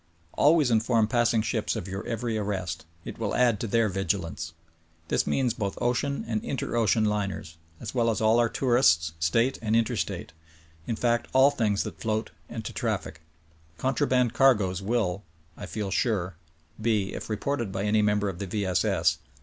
Always inform passing s'hips of your every arrest; it will add to their vigilance. This means both ocean and inter ocean liners, as well as all our tourists, state and inter state— in fact, all things that float and to traffic. Con traband cargoes will, I feel sure, be — if reported by any member of the V. S. S.